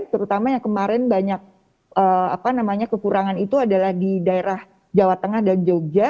terutama yang kemarin banyak kekurangan itu adalah di daerah jawa tengah dan jogja